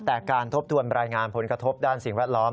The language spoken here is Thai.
แต่การทบทวนรายงานผลกระทบด้านสิ่งแวดล้อม